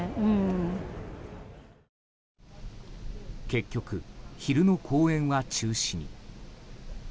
結局、昼の公演は中止に。